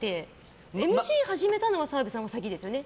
ＭＣを始めたのは澤部さんが先ですよね。